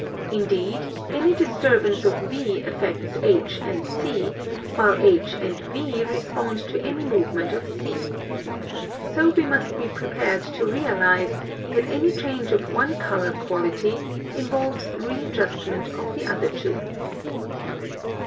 Indeed, any disturbance of V affects H and C, while H and V respond to any movement of C. So we must be prepared to realize that any change of one color quality involves readjustment of the other two.